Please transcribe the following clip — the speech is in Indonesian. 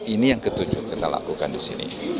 ini yang ketujuh kita lakukan di sini